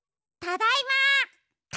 ただいま。